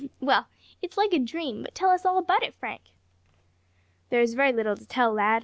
Well, it's like a dream; but tell us all about it, Frank." "There is very little to tell, lad.